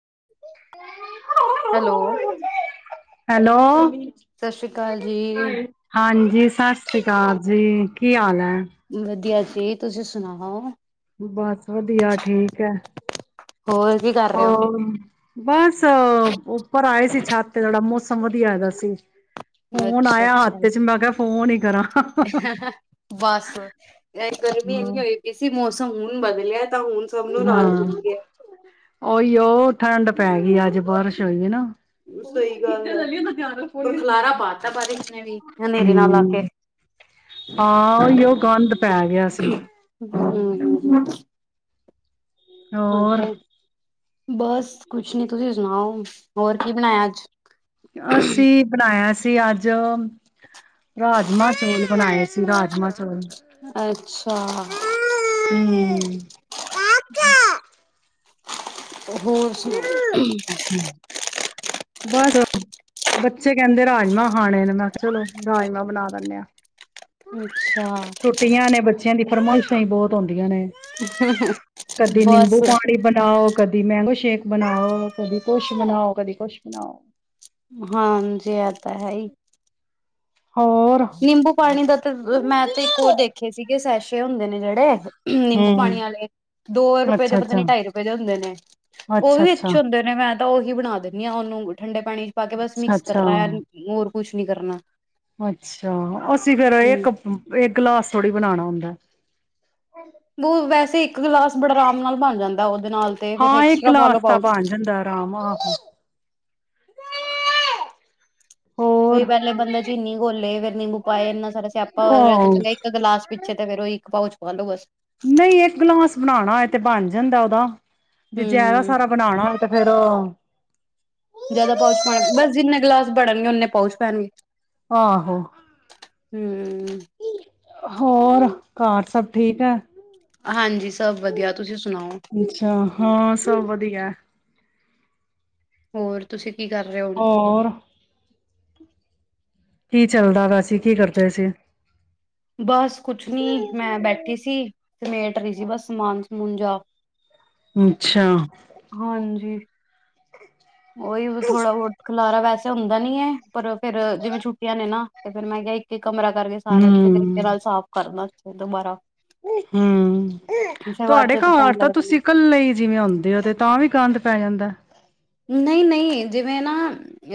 [inaudible] Hello hello ਸਤਿ ਸ਼੍ਰੀ ਅਕਾਲ ਜੀ ਹਾਂਜੀ ਸਤ ਸਤਿ ਸ਼੍ਰੀ ਅਕਾਲ ਜੀ ਕੀ ਹਾਲ ਹੈ ਵਧੀਆ ਜ ਤੁਸੀਂ ਸੁਣਾਓ ਬਸ ਵਧ ਆਖੇ ਠਕ ਹੋਰ ਕੀ ਕਰ ਰਹੇ ਹ ਬਸ ਉੱਪਰ ਆਏ ਸੀ ਛਾਤ ਤੇ ਜਿਹੜਾ ਮੌਸਮ ਵਧੀਆਦਾ ਸੀ ਹੋ ਹੁਣ ਅੱਛਾ ਆਇਆ ਹੱਥ ਚ ਅੱਛਾ ਮੈਂ ਕਿਹਾ ਫੋਨ ਹੀ ਕਰਾਂ ਬਸ ਗਰਮੀ ਇਨੀ ਹੋਈ ਪਈ ਸੀ ਮੌਸ ਸ ਹਣ ਬਦਲਿਆ ਤਾਂ ਹੁਣ ਸਭ ਨੂੰ ਰਾਹਤ ਹਾਂ ਮਿਲੀ ਉਹਹੀ ਉਹ ਠੰਡ ਪੈ ਗਈ ਅੱਜ ਬਾਰਿਸ਼ ਹੋਈ ਹੈ ਨਾ ਹੈ ਸਹੀ ਗੱਲ ਹੈ ਪਰ ਖਲਾਰਾ ਪਾਤਾ ਬਾਰਿਸ਼ ਨੇ ਵੀ ਹਨੇਰੀ ਨਾਲ ਲਾ ਹਮ ਕੇ ਹਾਂ ਉਹੀ ਉਹ ਗੰਦ ਪੈ ਗਿਆ ਸੀ [unintelligible] ਹੋ ਹੋਰ। ਤੇ ਬਸ ਕੁਛ ਨੀ ਤੁਸੀਂ ਸੁਣਾਓ, ਹੋਰ ਕੀ ਬਣਾਇਆ, ਅੱਜ। ਅਸੀਂ ਬਣਾਇਆ ਸੀ। ਸੀ ਅੱਜ ਰਾਜਮਾਂ- ਚੌਲ ਬਣਾਏ ਸੀ, ਰਾਜਮਾਂ-ਚੌਲ ਹੂੰ। ਅੱਛਾ ਹੂੰ। [unintelligible] ਹੋਰ ਸੁਣਾਓ? ਬਸ ਬੱਚੇ ਕਹਿੰਦੇ, ਰਾਜਮਾਂ ਖਾਣੇ ਨੇ ਮੈਂ ਕਿਹਾ, ਚਲੋ ਰਾਜਮਾਂ ਬਣਾ ਦਿੰਦੇ ਆ। ਅੱਛਾ ਛੁੱਟੀਆਂ ਨੇ ਬੱਚਿਆਂ ਦੀ ਫਰ [unintelligible] ਪਈਆਂ ਨੇ ਕਦੀ ਬਸ ਨਿੰਬੂ ਪਾਣੀ ਬਣਾਓ, ਕਦੀ ਮੈਂਗੋ ਸ਼ੇਕ। ਬਣਾਓ, ਕਦੀ ਕੁਛ ਬਣਾਓ, ਕਦੀ ਕੁਛ ਬਣਾਓ। ਹਾਂਜੀੇ, ਐਤਾਂ ਹੈ ਹੀ। ਹੋਰ ਨਿੰਬੂ ਪਾਣੀ ਦਾ ਤਾਂ ਮੈਂ ਤੇ ਇੱਕ ਔ ਦੇਖੇ ਸੀ ਇਹ, ਸੈਸ਼ੇ ਹੁੰਦੇ ਨੇ ਜਿਹੜੇ। ਨਿੰਬੂ ਹੂੰ ਪਾਣੀ ਵਾਲੇ ਦੋ ਰੁਪਏ ਦੇ ਅੱਛਾ ਪਤਾ ਅੱਛਾ ਨੀ ਢਾਈ ਰੁਪਏ ਦੇ ਹੁੰਦੇ ਨੇ ਉਹ ਅੱਛਾ ਵੀ ਅੱਛਾ ਅੱਛੇ ਹੁੰਦੇ ਨੇ। ਤਾਂ ਉਹੀ ਬਣਾ ਦਿੰਦੀ ਹਾਂ ਉਹਨੂੰ ਠੰਡੇ ਪਾਣੀ ਪਾਣੀ ਚ ਪਾਕੇ ਬਸ ਅੱਛਾ ਮਿਕਸ ਕਰਨਾ ਹੈ ਅੱਛਾ ਹੋਰ, ਕੁਛ ਨਹੀ ਕਰਨਾ। ਅੱਛਾ, ਅਸੀਂ ਫੇਰ ਹੂੰ। ਇਕ ਗਿਲਾਸ ਥੋੜੀ ਬਣਾਉਣਾ ਹੁੰਦਾ ਹੈ। [unintelligible] ਬ ਵੈਸੇ [unintelligible] ਇੱਕ ਗਿਲਾਸ ਬੜਾ ਆਰਾਮ ਨਾਲ ਬਣ ਜਾਂਦਾ ਹੈ ਉਹਦੇ ਨਾਲ ਤੇ ਫਿਰ ਹਾਂ ਇੱਕ ਐਕਸਟਰਾ ਪਾਲੋ ਗਲਾਸ ਤਾਂ ਪਾਉਚ। ਬਣ ਜਾਂਦਾ ਆਰਾਮ ਆਹੋ। ਹੋਰ ਓਹੀ ਪਹਿਲੇ ਬੰਦਾ ਚੀਨੀ ਘੋਲੇ ਨਿੰਬੂ ਪਾਏ ਐਨਨਾ ਸਾਰਾ ਸਿਆਪਾ ਹੋ ਗਿਆ, ਆਹ ਚੰਗਾ ਇੱਕ ਗਿਲਾਸ ਪਿੱਛੇ ਤੇ ਫੇਰ ਉਹ ਇੱਕ ਪਾਊਚ ਪਾਲੋ ਬਸ। ਨਹੀਂ ਇੱਕ ਗਿਲਾਸ ਬਣਾਉਣਾ ਏ ਤੇ ਬਣ ਜਾਂਦਾ ਉਹਦਾ। ਜੇ ਜ਼ਿਆਦਾ ਹਮ ਸਾਰਾ ਬਣਾਣਾ ਹੋਵੇ ਤੇ ਫੇਰ ਜ਼ਿਆਦਾ ਪਾਊਚ ਪਾਉਣਾ, ਬਸ ਜਿੰਨੇ ਗਿਲਾਸ ਬਣਨਗੇ ਉਨੇ ਪਾਊਚ ਪੈਣਗੇ। ਆਹੋ। ਹੂੰ। ਹੋਰ ਘਰ ਸਭ ਠੀਕ ਹੈ। ਹਾਂਜੀ, ਸਭ ਵਧੀਆ ਤੁਸੀਂ ਸੁ ਅੱਛਾ ਹਾਂ ਸਭ ਵਧੀਆ ਹੈ ਹੋਰ ਤੁਸੀਂ ਕੀ ਕਰ ਰਹੇ ਹੁਣ ਹੋਰ ਕੀ ਚੱਲਦਾ ਵੈਸੇ ਕੀ ਕਰਦੇ ਸੀ ਬਸ ਕੁਛ ਨਹੀ ਮੈਂ ਬੈਠੀ ਸੀ ਸਮੇਟ ਰਹੀ ਸੀ ਬਸ ਸਮਾਨ ਸੁਮੁਨ ਜਿਹਾ ਅੱਛਾ ਹਾਂਜੀ। ਉਹੀ ਥੋੜਾ ਬਹੁਤ ਖਿਲਾਰਾ ਵੈਸੇ ਹੁੰਦਾ ਨਹੀਂ ਹੈ ਪਰ ਫੇਰ ਜਿਵੇਂ ਛੁੱਟੀਆਂ ਨੇ ਨਾ ਤੇ ਫਿਰ ਮੈਂ ਕਿਹਾ ਇਕ ਕਮਰਾ ਕਰਕੇ ਹੂੰ ਸਾਰਾ ਅੱਛੇ ਤਰੀਕੇ ਨਾਲ ਸਾਫ਼ ਕਰਦਾ ਦੁਬਾਰਾ ਹਮ ਫਿਰ ਬਾਅਦ ਤੁਹਾਡੇ ਚ ਘਰ ਟਾਈਮ ਤਾਂ ਲੱਗਦਾ ਨੀ। ਤੁਸੀਂ ਕੱਲੇ ਹੀ ਜਿਵੇਂ ਹੋਂਦੇ ਹੋ ਤੇ ਤਾਂ ਵੀ ਗੰਦ ਪੈ ਜਾਂਦਾ ਨਹੀਂ ਨਹੀਂ ਜਿਵੇਂ ਨਾ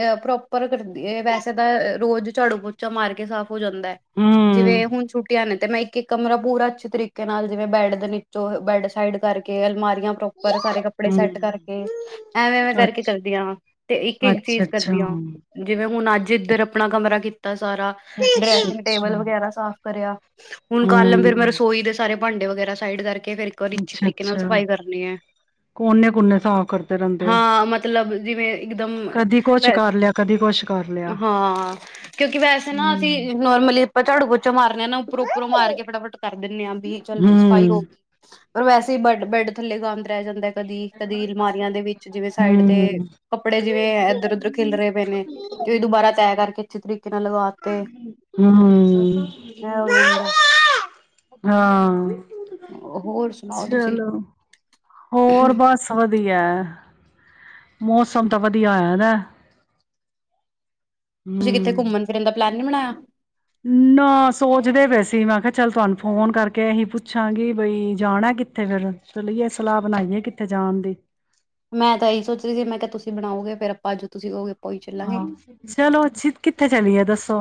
ਅ ਪ੍ਰੋਪਰ ਕਰ ਇਹ ਵੈਸੇ ਤਾਂ ਰੋਜ਼ ਝਾੜੂ ਪੋਚਾ ਮਾਰ ਕੇ ਸਾਫ਼ ਹੋ ਜਾਂਦਾ ਹੈ ਹੂੰ ਜਿਵੇਂ ਹੁਣ ਛੁੱਟੀਆਂ ਨੇ ਤੇ ਮੈਂ ਇੱਕ ਇੱਕ ਕਮਰਾ ਪੂਰਾ ਅੱਛੇ ਤਰੀਕੇ ਨਾਲ ਜਿਵੇਂ ਬੈੱਡ ਦੇ ਨੋਂ ਬੈਡ ਸਾਈਡ ਕਰਕੇ ਅਲਮਾਰੀ ਪ੍ਰੋਪਰ ਸਾਰੇ ਕੱਪੜੇ ਸੈਟ ਹੂੰ ਕਰਕੇ ਐਵੇਂ ਐਵੇਂ ਕਰਕੇ ਅੱਛਾ ਕਰਦੀ ਹਾਂ ਤੇ ਇੱਕ ਇੱਕ ਅੱਛਾ ਚੀਜ਼ ਅੱਛਾ ਕਰਦੀ ਹਾਂ ਜਿਵੇਂ ਹੁਣ ਅੱਜ ਇੱਧਰ ਆਪਣਾ ਕਮਰਾ ਕੀਤਾ ਸਾਰਾ ਅੱਛਾ ਡਰੈਸਿੰਗ ਅੱਛਾ ਟੇਬਲ ਵਗੈਰਾ ਸਾਫ਼ ਕਰਿਆ, ਹੁਣ ਕੱਲ ਹੂੰ ਫਿਰ ਮੈਂ ਰਸੋਈ ਦੇ ਸਾਰੇ ਭਾਂਡੇ ਵਗੈਰਾ ਸਾਈਡ ਕਰਕੇ ਫਿਰ ਇੱਕ ਵਾਰੀ ਅੱਛੀ ਅੱਛਾ ਤਰੀਕੇ ਨਾਲ ਅੱਛਾ, ਸਫ਼ਾਈ ਕਰਨੀ ਐ। ਕੋਨੇ ਕੋਨੇ ਸਾਫ਼ ਕਰਦੇ ਰਹਿੰਦੇ ਹੋ। ਹਾਂ ਮਤਲਬ ਜਿਵੇਂ ਇਕਦਮ, ਕਦੀ ਕੁਛ ਕਰ ਲਿਆ ਕਦੀ ਕੁਛ ਕਰ ਲਿਆ ਹਾਂ ਕਿਉਂਕਿ ਵੈਸੇ ਨਾ ਹੂੰ ਅਸੀਂ ਨੋਰਮਲੀ ਆਪਾਂ ਝਾੜੂ ਪੋਚਾ ਮਾਰਨ ਹਾਂ ਨਾ ਉੱਪਰੋਂ ਉਪਰੋਂ ਮਾਰ ਕੇ ਫਟਾਫਟ ਕਰ ਦਿੰਦੇ ਹਾਂ ਚੱਲ ਸਫ਼ਾਈ ਹੋ ਹੂੰ ਗਈ ਪਰ ਵੈਸੇ ਹੀ ਬ ਬੈਡ ਥੱਲੇ ਪਾਉਂਦੇ ਰਹਿ ਜਾਂਦਾ ਹੈ ਕਦੀ ਕਦੀ ਅਲਮਾਰੀਆਂ ਦੇ ਵਿੱਚ ਜਿਵੇਂ ਸਾਈਡ ਤੇ ਹੂੰ ਕੱਪੜੇ ਜਿਵੇਂ ਇੱਧਰ ਉਧਰ ਖਿਲ ਰਹੇ ਪਏ ਨੇ, ਤੇ ਦੁਬਾਰਾ ਤੈ ਕਰਕੇ ਅੱਛੇ ਤਰੀਕੇ ਕਿ ਨਾਲ ਲਗਾਤੇ ਹੂੰ। ਇਹ ਹੋ ਜਾਂਦਾ ਹਾਂ ਹੋਰ ਸੁਣਾਓ ਤੁਸੀਂ ਚਲੋ ਹੋਰ ਤੁਸੀਂ ਬਸ ਵਧੀਆ ਮੌਸਮ ਤਾਂ ਵਧੀਆ ਹੋਯਾਦਾ ਹੈ। ਕਿੱਥੇ ਹਮ ਘੁੰਮਣ ਫਿਰਨ ਦਾ ਪਲੈਨ ਨੀ ਬਣਾਇਆ ਨਾ ਸੋਚਦੇ ਵੈਸੀੇ ਮੈਂ ਕਿਹਾ ਚੱਲ ਤੁਹਾਨੂੰ ਫੋਨ ਕਰਕੇ ਅਸੀਂ ਪੁੱਛਾਂਗੀ ਬਈ ਜਾਣਾ ਕਿੱਥੇ ਫੇਿਰ ਚਲੀਏ ਸਲਾਹ ਬਣਾਈਏ ਕਿੱਥੇ ਜਾਣ ਦੀ। ਮੈਂ ਤਾਂ ਇਹੀ ਸੋਚ ਰਹੀ ਸੀ ਮੈਂ ਕਿਹਾ ਤੁਸੀਂ ਬਣਾਓਗੇ ਫੇਰ ਆਪਾਂਜ ਤੁਸੀਂ ਕਹੋਗੇ ਆਪਾਂ ਉਹੀ ਚੱਲਾਂਗੇ ਹਾਂ ਚਲੋ ਅ ਕਿੱਥੇ ਚਲੀਏ ਦੱਸੋ ਸੌ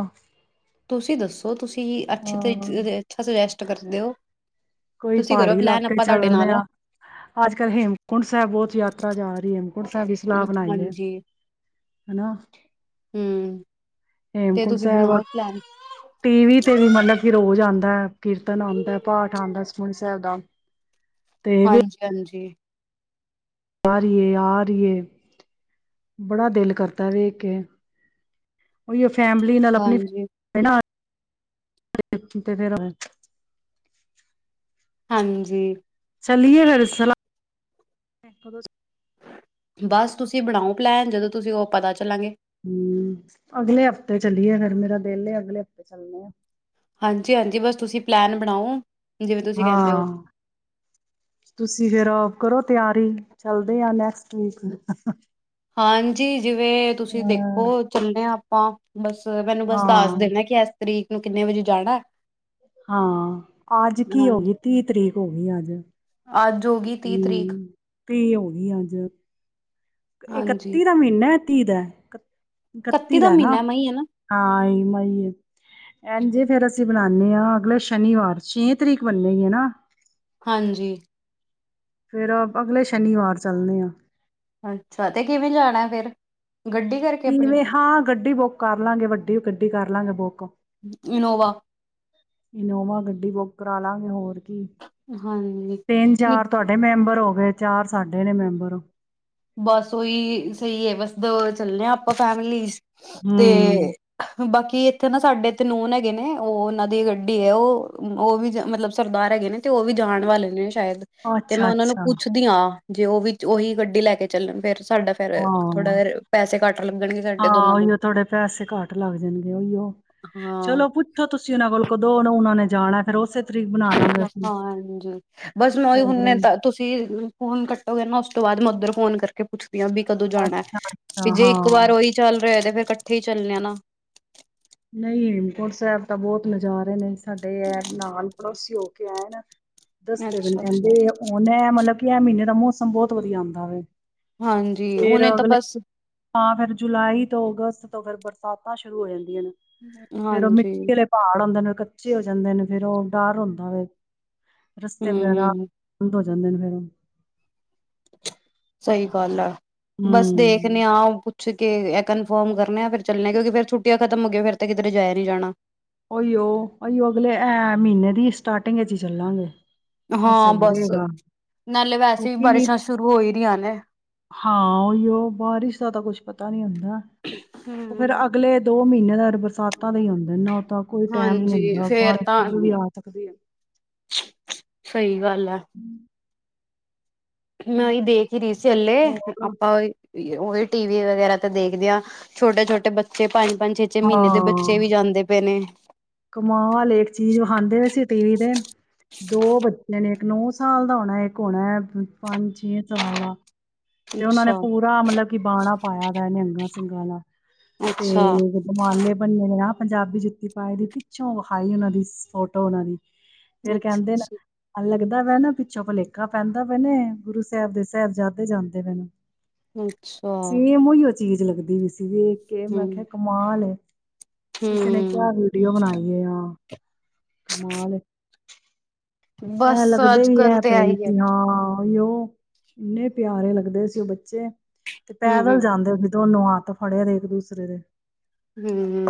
ਤੁਸੀਂ ਦੱਸੋ ਤੁਸੀਂ ਅੱਛੇ ਤਰੀਕੇ ਅੱਛਾ ਸੁਜੈਸਟ ਕਰ ਦਿਓ ਕੋਈ ਪਹਾੜੀ ਇਲਾਕੇ ਚੱਲਦੇ ਆ, ਅੱਜ ਕੱਲ ਹੇਮਕੁੰਟ ਸਾਹਿਬ ਬਹੁਤ ਯਾਤਰਾ ਜਾ ਰਹੀ ਹੈ। ਹੇਮਕੁੰਟ ਸਾਹਿਬ ਦੀ ਸਲਾਹ ਬਣਾਈਏ, ਹਾਂਜੀ ਹੈਨਾ ਹੂੰ ਤੇ ਹੇਮਕੁੰਟ ਤੁਸੀਂ ਸਾਹਿਬ ਬਣਾਓ ਪਲੈਨ ਟੀ ਵੀ ਤੇ ਵੀ ਮਤਲਬ ਰੋਜ਼ ਆਉਂਦਾ ਕੀਰਤਨ ਆਉਂਦਾ, ਪਾਠ ਆਉਂਦਾ, ਸੁਖਮਨੀ ਸਾਹਿਬ ਦਾ ਤੇ ਵੇ ਹਾਂਜੀ ਹਾਂਜੀ ਆ ਰਏ ਹੈ, ਆ ਰਏ ਹੈ ਬੜਾ ਦਿਲ ਕਰਦਾ ਵੇਖ ਕੇ ਉਹੀ ਫੈਮਿਲੀ ਨਾਲ ਆਪਣੀ ਹਾਂਜੀ ਤੇ ਫਿਰ ਹਾਂਜੀ। ਚੱਲਏ ਫਿਰ ਸਲਾ [unintelligible] ਬਸ ਤੁਸੀਂ ਬਣਾਓ। ਪਲੈਨ ਜਦੋਂ ਤੁਸੀਂ ਉਹ ਪਤਾ ਚੱਲਾਂਗੇ ਹਮ ਅਗਲੇ ਹਫ਼ਤੇ ਚਲੀਏ ਫੇਰ। ਮੇਰਾ ਦਿਲ ਏ ਅਗਲੇ ਹਫ਼ਤੇ ਚੱਲਣੇ ਆ। ਹਾਂਜੀ ਹਾਂਜੀ ਬਸ ਤੁਸੀਂ ਪਲੈਨ ਬਣਾਓ। ਜਿਵੇਂ ਤੁਸੀਂ ਕਹਿੰਦੇ ਹੋ ਹਾਂ ਤੁਸੀਂ ਫੇਰ ਕਰੋ ਤਿਆਰੀ ਚਲਦੇ ਆ ਨੈਕਸਟ ਵੀਕ। ਹਾਂਜੀ ਜਿਵੇਂ ਤੁਸੀਂ ਦੇਖੋ ਹਾਂ ਚੱਲੇ ਆ। ਹਾਂ ਬੱਸ। ਮੈਨੂੰ ਬਸ ਦੱਸ ਹਾਂ ਦਿੰਦਾ ਕਿ ਇਸ ਤਰੀਕ ਨੂੰ ਕਿੰਨੇ ਵਜੇ ਜਾਣਾ। ਹਾਂ ਅੱਜ ਕੀ ਹੋ ਹਾਂਜੀ ਗਈ ਤੀਹ ਤਰੀਕ। [unintelligible] ਅੱਜ ਹੋ ਗਈ ਤੀਹ ਤਰੀਕ ਹਮ ਤੀਹ ਹੋ ਗਈ ਅੱਜ ਹਾਂਜੀ ਇਕੱਤੀ ਦਾ ਮਹੀਨਾ। ਤੀਹ ਦਾ ਇਕੱਤੀ ਇੱਕਤੀ ਦਾ ਨਾ ਮਹੀਨਾ ਮਈ ਹੈ ਨਾ ਹਾਂ ਮਈ ਏ। ਇਂਜ਼ ਫੇਰ ਅਸੀਂ ਬਨਾਨੇ ਹਾਂ ਅਗਲੇ ਸ਼ਨੀਵਾਰ ਛੇ ਤਰੀਕ ਬਨੇਗੀ ਨਾ। ਹਾਂਜੀ। ਫਿਰ ਅਗਲੇ ਸ਼ਨੀਵਾਰ ਚੱਲਣੇ ਆਂ। ਅੱਛਾ ਤੇ ਕਿਵੇਂ ਜਾਣਾ ਫਿਰ। ਗੱਡੀ ਕਰਕੇ ਆਪਣੀ ਕਿਵੇਂ ਹਾਂ ਗੱਡੀ ਬੁੱਕ ਕਰ ਲਾਂਗੇ ਵੱਡੀ ਗੱਡੀ ਕਰ [unintelligible] ਇਨੋਵਾ ਇਨੋਵਾ ਗੱਡੀ ਬੁੱਕ ਕਰਾਲਾਂਗੇ ਹੋਰ ਹਾਂਜੀ ਤਿੰਨ ਨੀ ਚਾਰ ਤੁਹਾਡੇ ਮੈਂਬਰ ਹੋ ਗਏ। ਚਾਰ ਸਾਡੇ ਨੇ ਮੈਂਬਰ। ਬਸ ਓਹੀ ਸਹੀ ਹੈ ਬਸ ਦੋਵੇ ਚੱਲਣੇ ਹਾਂ ਆਪਾਂ ਫੈਮਲੀਸ। ਤੇ ਹਮ ਬਾਕੀ ਇੱਥੇ ਨਾ ਸਾਡੇ ਤੇ ਨੂਨ ਹੈਗੇ ਨੇ ਉਹ ਉਹਨਾਂ ਦੀ ਗੱਡੀ ਹੈ ਉਹ ਉਹ ਵੀ ਮਤਲਬ ਸਰਦਾਰ ਹੈਗੇ ਨੇ ਤੇ ਉਹ ਵੀ ਜਾਣ ਵਾਲੇ ਨੇ ਸ਼ਾਇਦ ਤੇ ਮੈਂ ਅੱਛਾ ਉਹਨਾਂ ਨੂੰ ਅੱਛਾ ਪੁੱਛਦੀ ਹਾਂ ਜੇ ਉਹ ਵੀ ਉਹੀ ਗੱਡੀ ਲੈ ਕੇ [unintelligible] ਹਾਂ ਪੈਸੇ ਘੱਟ ਲੱਗਣਗੇ ਸਾਡੇ ਹਾਂ ਦੋਨਾਂ ਦੇ ਉਹੀਓ ਥਹਾਡੇ ਪੈਸੇ ਘੱਟ ਲੱਗ ਜਾਣਗੇ ਉਹੀਓ ਹਾਂ ਚਲੋ ਪੁੱਛੋ ਤੁਸੀਂ ਉਹਨਾਂ ਕੋਲ ਕਦੋਂ ਉਹਨ ਉਹਨਾ ਨੇ ਜਾਣਾ ਫੇਿਰ ਉਸੇ ਤਰੀਕ ਬਣਾ ਲਾਂਗੇ ਹਾਂ ਅਸੀਂ ਹਾਂਜੀ ਬਸ ਮ ਹੀ ਹੁੇ ਪ੍ਰੋਗਰਾਮ ਤਾਂ ਤੁਸੀਂ ਖੂਨ ਕੱਟੋਗੇ ਨਾ ਉਸ ਤੋਂ ਬਾਅਦ ਮਧ ਫੋਨ ਕਰਕੇ ਪੁੱਛ ਵੀ ਕਦੋਂ ਜਾਣਾ ਅੱਛਾ ਅੱਛਾ ਕਿ ਜੇ ਇੱਕ ਹਾਂ ਵਾਰ ਉਹੀ ਚੱਲ ਰਿਹਾ ਤੇ ਫੇਰ ਇਕੱਠੇ ਹੀ ਚੱਲਣੇ ਆ ਨਾ ਨਹੀਂ ਹੇਮਕੁੰਟ ਸਾਹਿਬ ਤਾਂ ਬਹੁਤ ਨਜ਼ ਰਹੇ ਨੇ ਸਾਡੇ ਹੈ ਨਾਲ ਪੜੋਸੀਓ [unintelligible] ਦੱਸਦੇ ਵੀ ਨੀ ਅੱਛਾ ਅੱਛਾ। ਕਹਿੰਦੇ ਉਹਨੇ ਮਤਲਬ ਕਿ ਇਹ ਮਹੀਨੇ ਦਾ ਮੌਸਮ ਬਹੁਤ ਵਧੀਆ ਆਉਂਦਾ ਵਵੇ ਹਾਂਜੀ ਫੇਰ ਹੁਣੇ ਤਾਂ ਅਗਲੇ ਬਸ ਹ ਫਿਰ ਜੁਲਾਈ ਤੋਂ ਅਗਸਤ ਤੋਂ ਫ਼ਿਰ ਬਰਸਾਤਾਂ ਸ਼ੁਰੂ ਹੋ ਜਾਂਦੀਆਂ ਨੇ ਫੇਰ ਉਹ ਹਾਂਜੀ ਮਿੱਟੀ ਵਾਲੇ ਪਹਾੜ ਆਉਂਦੇ ਨੇ ਕੱਚੇ ਹੋ ਜਾਂਦੇ ਨੇ ਫੇਿਰ ਉਹ ਡਰ ਹੁੰਦਾ ਵੇ ਰਸਤੇ ਵਗੈਰਾ ਹੂੰ ਬੰਦ ਹੋ ਜਾਂਦੇ ਨੇ ਫੇਿਰ ਉਹ ਸਹੀ ਗੱਲ ਆ ਬਸ ਹੂੰ ਦੇਖਣੇ ਆ ਪੁੱਛ ਕੇ ਇਹ ਕਨਫਰਮ ਕਰਨਾ ਇਹ ਫੇਰ ਚੱਲੇ ਕਿਉਂਕ ਫਿਰ ਛੁੱਟੀਆਂ ਖਤਮ ਹੋ ਗਆਂ ਫਿਰ ਤਾ ਕਿਧਰ ਜਾਇਆ ਨੀ ਜਾਣਾ ਉਹੀ ਉਹ ਅਓ ਅਗਲੇ ਐ ਮਹੀਨੇ ਦੀ ਸਟਾਰਟਿੰਗ ਵਿੱਚ ਹੀ ਚੱਲਾਂਗੇ ਉਹ ਹਾਂ ਸਹੀ ਬਸ ਰਹੇਗਾ ਨ ਨਾਲੇ ਵੈਸੇ ਵੀ ਬਾਰਿਸ਼ਾਂ ਸ਼ੁਰੂ ਹੋ ਹੀ ਰਹੀਆਂ ਨੇ। ਹਾਂ ਉਹੀ ਉਹ ਬਾਰਿਸ਼ ਦਾ ਤਾਂ ਕੁਛ ਪਤਾ ਨੀ ਹੁੰਦਾ ਉਹ ਫੇਰ ਹੂੰ। ਅਗਲੇ ਦੋ ਮਹੀਨੇਦਾਰ ਬਰਸਾਤਾਂ ਦੇ ਹੀ ਹੁੰਦੇ ਨੇ ਨਾ ਤਾਂ ਕੋਈ ਟਾਈਮ ਨੀ ਹਾਂਜੀ ਆਉਂਦਾ ਫੇਰ ਬਾਰਿਸ਼ ਤਾਂ ਕਦੋਂ ਵੀ ਆ ਸਕਦੇ ਆ ਸਹੀ ਗੱਲ ਐ। [unintelligible] ਮੈਂ ਦੇਖ ਰਹੀ ਸੀ ਅੱਲੇ ਹੋਰ ਆਪਾਂ ਉਹ ਟੀ ਵੀ ਵਗੈਰਾ ਤੇ ਦੇਖਦੇ ਹਾਂ ਛੋਟੇ ਛੋਟੇ ਬੱਚੇ ਪੰਜ ਪੰਜ ਛੇ ਛੇ ਮਹੀਨੇ ਦੇ ਬੱਚੇ ਵੀ ਜਾਂਦੇ ਪਏ ਨੇ ਕਮਾ ਵਾਲੇ ਇੱਕ ਚੀਜ਼ ਵਿਖਾਂਦੇ ਪਏ ਸੀ ਟੀ ਵੀ ਤੇ ਦੋ ਬੱਚਿਆਂ ਨੇ ਇੱਕ ਨੌ ਸਾਲ ਦਾ ਹੋਣਾ ਇੱਕ ਹੋਣਾ ਪੰਜ ਛੇ ਸਾਲ ਦਾ ਤੇ ਉਹਨਾਂ ਨੇ ਅੱਛਾ। ਪੂਰਾ ਮਤਲਬ ਕਿ ਬਾਹਣਾ ਪਾਇਆ ਦਾ ਇਹ ਨਿਹੰਗਾ ਦਾ ਸੰਗਾਲਾ ਤੇ ਅੱਛਾ ਦਮਾਲੇ ਬਣੇ ਆ ਪੰਜਾਬੀ ਜੁੱਤੀ ਪਾਏ ਦੀ ਪਿੱਛੋਂ ਵਿਖਾਈ ਉਹਨਾਂ ਦੀ ਫੋਟੋ ਉਹਨਾਂ ਦੀ ਫੇਰ ਅੱਛਾ ਕਹਿੰਦੇ ਨੇ ਅੱਛਾ ਅਲੱਗ ਦਾ ਵੇ ਨਾ ਪਿੱਛੋਂ ਭੁਲੇਕਾ ਪੈਂਦਾ ਪੈ ਨੇ ਗੁਰੂ ਸਾਹਿਬ ਦੇ ਸਾਹਿਬਜ਼ਾਦੇ ਜਾਂਦੇ ਪੇ ਅੱਛਾ ਚੀਜ਼ ਲੱਗਦੀ ਵੀ ਸੀ ਵੇਖ ਕੇ ਮੈਂ ਕਿਹਾ ਹਮ ਕਮਾਲ ਏ ਕਿਸੇ ਨੇ ਕਿਹਾ ਹਮ। ਵੀ ਬਣਾਈਏ ਆ ਕਮਾਲ ਬਸ ਐਂ ਲੱਗਦੇ ਅੱਜ ਵੀ ਕੱਲ ਹੈ ਤੇ ਪਏ ਆਈ ਹੈ ਸੀ ਹਾਂ ਉਹ ਇੰਨੇ ਪਿਆਰੇ ਲੱਗਦੇ ਸੀ ਉਹ ਬੱਚੇ ਤੇ ਹਮ ਪੈਦਲ ਹਮ। ਜਾਂਦੇ ਓ ਦੋਨੋ ਆ ਫੜਿਆ ਦੇ ਇੱਕ ਦੂਸਰੇ ਦੇ ਹਮ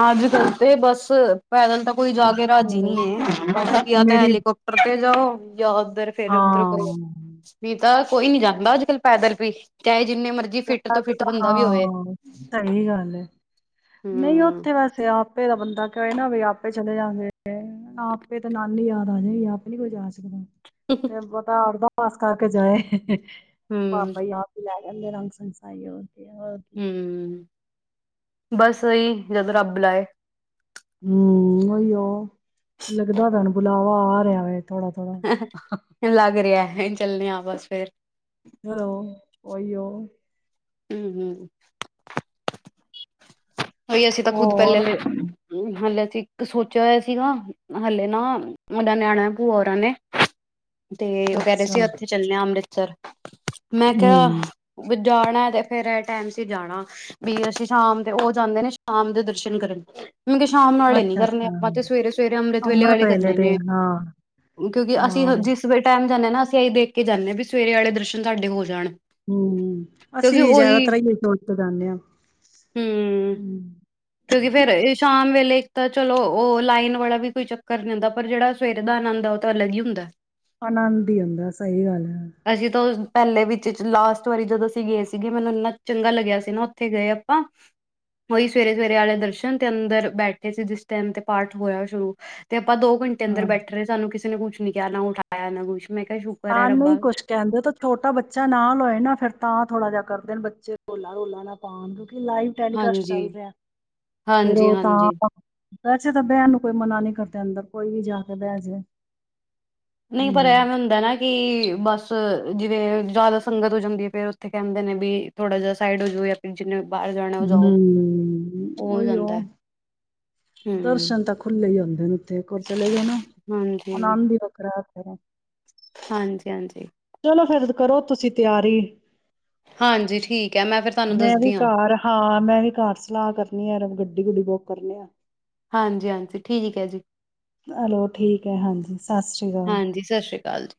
ਅੱਜ ਕੱਲ ਤੇ ਬੱਸ ਪੈਦਲ ਤਾਂ ਕੋਈ ਜਾ ਕੇ ਰਾਜ਼ੀ ਨੀ ਹੋਰ ਹੈ ਮੈਂ ਤਾ ਕਿਹਾ ਤੇ ਹੈ ਮੇਰੀ ਹੈਲੀਕਪਟਰ ਤੇ ਜਾਓ ਜਾਂ ਉੱਧਰ ਫੇਰ ਉੱਧਰ ਹਾਂ ਕੋਈ ਤਾਂ ਕੋਈ ਨੀ ਜਾਂਦਾ ਅੱਜ ਕੱਲ ਪੈਦਲ ਵੀ ਚਾਹੇ ਜਿੰਨੇ ਮਰਜ਼ੀ ਫਿੱਟ ਤੋਂ ਸੱਤ ਫਿੱਟ ਦਾ- ਬੰਦਾ ਵੀ ਹੋਵੇ ਹਾਂ ਸਹੀ ਗੱਲ ਏ ਨਹੀਂ ਹਮ। ਉੱਥੇ ਵੈਸੇ ਆਪੇ ਦਾ ਬੰਦਾ ਕਵੇ ਨਾ ਵੀ ਆਪੇ ਆਪੇ ਚਲੇ ਜਾਂਦੇ ਆਪੇ ਤਾਂ ਨਾਨੀ ਯਾਦ ਆ ਜਾਏਗੀ ਆਪੇ ਨੀ ਕੋਈ ਜਾ ਸਕਦਾ ਤੇ ਪਤਾ ਅਰਦਾ ਪਾਸ ਕਰਕੇ ਜਾਏ ਹੂੰ ਬਾਬਾ ਆ [unintelligible] ਹਮ ਬਸ ਸਹੀ ਜਦੋਂ ਰੱਬ ਲਾਏ ਹਮ ਓਹੀ ਓ ਲੱਗਦਾ ਤੈਨੂੰ ਬੁਲਾਵਾ ਆ ਰਿਹਾ ਵੇਂ ਲੱਗ ਰਹੀਆਂ ਚੱਲੇ ਆ ਬਸ ਫੇਰ ਹੈਲੋ ਓਹੀ ਓ ਹਮ ਹਮ ਉਈ ਅਸੀਂ ਤਾਂ ਖੁਦ ਹੋਰ ਪਹਿਲੇ ਹਾਲੇ ਸੀ ਇੱਕ ਸੋਚਿਆ ਹੋਇਆ ਸੀਗਾ ਹਲੇ ਨਾ [unintelligible] ਨੇ ਅਨਾ ਹੈ ਭੂਆ ਹੋਰਾਂ ਨੇ ਤੇ ਵਗੈਰਾ ਅੱਛਾ ਅਸੀਂ ਉੱਥੇ ਚੱਲੇ ਹਾਂ ਅੰਮ੍ਰਿਤ ਸਰ ਮੈਂ ਹੂੰ ਕਿਹਾ ਜਾਣਾ ਤੇ ਫੇਰ ਇਹ ਟਾਈਮ ਸਿਰ ਜਾਣਾ ਵੀ ਅਸੀਂ ਸ਼ਾਮ ਦੇ ਉਹ ਜਾਂਦੇ ਨੇ ਸ਼ਾਮ ਦੇ ਦਰਸ਼ਨ ਕਰਨ ਮੈਂ ਕਿਹਾ ਸ਼ਾਮ ਆਲੇ ਨੀ ਕਰਨੇ ਅੱਛਾ-ਅੱਛਾ ਆਪਾਂ ਤੇ ਸਵੇਰੇ ਸਵੇਰੇ ਅੰਮ੍ਰਿਤ ਵੇਲੇ ਵਾਲੇ ਕਰਨੇ ਨੇ ਕਿਉਂਕਿ ਅਸੀਂ ਕਮਾਲ ਏ ਜਿਸ ਵੀ ਟਾਈਮ ਜਾਂਦੇ ਹਾਂ ਨਾ ਅਸੀਂ ਅਸੀ ਦੇਖ ਕੇ ਜਾਂਦੇ ਹਾਂ ਵੀ ਸਵੇਰੇ ਵਾਲੇ ਦਰਸ਼ਨ ਸਾਡੇ ਹੋ ਜਾਣ ਹਮ ਅਸੀਂ ਕਿਉਂਕਿ ਵੀ ਜਿਆਦਾ ਉਹੀ ਤਰ ਇਹੀ ਸੋਚ ਕੇ ਜਾਂਦੇ ਹਾਂ ਹੂੰ ਹੂੰ ਕਿਉਂਕਿ ਫੇਰ ਇਹ ਸ਼ਾਮ ਵੇਲੇ ਤਾਂ ਚਲੋ ਉਹ ਲਾਈਨ ਵਾਲਾ ਵੀ ਕੋਈ ਚੱਕਰ ਨੀ ਹੁੰਦਾ ਪਰ ਜਿਹੜਾ ਸਵੇਰੇ ਦਾ ਆਨੰਦ ਹੈ ਉਹ ਤਾਂ ਅਲੱਗ ਹੀ ਹੁੰਦਾ ਆਨੰਦ ਹੀ ਆਉਂਦਾ ਸਹੀ ਗੱਲ ਹੈ ਅਸੀਂ ਤਾਂ ਪਹਿਲੇ ਵਿੱਚ ਲਾਸਟ ਵਾਰੀ ਜਦੋਂ ਅਸੀਂ ਗਏ ਸੀਗੇ ਮੈਨੂੰ ਇੰਨਾ ਚੰਗਾ ਲੱਗਿਆ ਸੀ ਨਾ ਉੱਥੇ ਗਏ ਆਪਾਂ ਉਹੀ ਸਵੇਰੇ ਸਵੇਰੇ ਵਾਲੇ ਦਰਸ਼ਨ ਤੇ ਅੰਦਰ ਬੈਠੇ ਸੀ ਜਿਸ ਟਾਈਮ ਤੇ ਪਾਠ ਹੋਇਆ ਸ਼ੁਰੂ ਤੇ ਆਪਾਂ ਦੋ ਘੰਟੇੰ ਅੰਦਰ ਹਾਂ ਬੈਠ ਰਹੇ ਸਾਨ ਕਿਸੇ ਨੇ ਕੁਛ ਨਹੀਂ ਕਿਹਾ ਨਾ ਉਠਾਇਆ ਨਾ ਕੁਛ ਮੈਂ ਕਿਹਾ ਸ਼ੁਕਰ ਹੈ ਆ ਨਹੀਂ ਰੱਬਾ ਕੁਛ ਕਹਿੰਦੇ ਤਾਂ ਛੋਟਾ ਬੱਚਾ ਨਾਲ ਹੋਏ ਨਾ ਫਿਰ ਤਾਂ ਥੋੜਾ ਜਾਹਾ ਕਰਦੇ ਨੇ ਬੱਚੇ ਰੋਲਾ ਰੋਲਾ ਨਾ ਪਾਉਣ ਲਾਈਵ ਟੈਲੀਕਾਸਟ ਹਾਂਜੀ, ਚੱਲ ਰਿਹਾ ਫਿਰ ਹਾਂਜੀ, ਉਹ ਹਾਂਜੀ। ਤਾਂ ਵੈਸੇ ਤਾਂ ਬਹਿਣ ਨੂੰ ਕੋਈ ਮਨਾ ਨਹੀਂ ਕਰਦੇ ਅੰਦਰ ਕੋਈ ਵੀ ਜਾ ਕੇ ਬਹਿ ਜੇ ਨਹੀਂ ਪਰ ਹੂੰ ਐਵੇਂ ਹੁੰਦਾ ਨਾ ਕਿ ਬਸ ਜਿਵੇਂ ਜ਼ਿਆਦਾ ਸੰਗਤ ਹੋ ਜਾਂਦੀ ਹੈ ਫੇਰ ਉੱਥੇ ਕਹਿੰਦੇ ਨੇ ਵੀ ਥੋੜਾ ਜਿਹਾ ਸਾਈਡ ਹੋਜੋ ਜਾਂ ਫਿਰ ਜਿੰਨੇ ਬਾਹਰ ਜਾਣਾ ਉਹ ਜਾਓ ਹਮ ਹੋ ਉਹੀ ਜਾਂਦਾ ਉਹ ਹੈ ਹਮ ਦਰਸ਼ਨ ਤਾਂ ਖੁੱਲੇ ਹੀ ਖੁੱਲੇ ਹੀ ਹੁੰਦੇ ਨੇ ਉੱਥੇ ਕੋਲ ਚਲੇ ਜਾਓ ਨਾ ਹਾਂਜੀ ਆਨੰਦ ਹੀ ਵੱਖਰਾ [inaudible] ਹਾਂਜੀ ਹਾਂਜੀ ਚਲੋ ਫਿਰ ਕਰੋ ਤੁਸੀਂ ਤਿਆਰੀ ਹਾਂਜੀ ਠੀਕ ਹੈ ਫਿਰ ਤੁਹਾਨੂੰ ਮੈਂ ਵੀ ਦੱਸਦੀ ਹਾਂ ਕਾਰ ਹਾਂ ਮੈਂ ਵੀ ਘਰ ਸਲਾਹ ਕਰਨੀ ਹੈ ਗੱਡੀ ਗੁੱਡੀ ਬੁੱਕ ਕਰਨਿਆ ਹਾਂਜੀ ਹਾਂਜੀ ਠੀਕ ਹੈ ਜੀ ਚਲੋ ਠੀਕ ਹੈ, ਹਾਂਜੀ, ਸਤਿ ਸ਼੍ਰੀ ਅਕਾਲ। ਹਾਂਜੀ ਸਤਿ ਸ੍ਰੀ ਅਕਾਲ ਜੀ